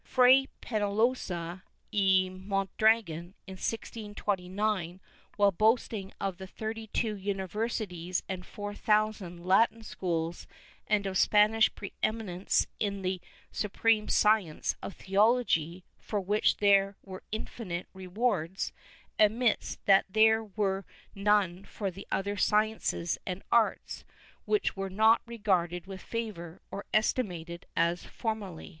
Fray Peiialosa y Mon dragon, in 1629, while boasting of the thirty two universities and four thousand Latin schools and of Spanish pre eminence in the supreme science of theology, for which there were infinite rewards, admits that there were none for the other sciences and arts, which were not regarded with favor or estimated as formerly.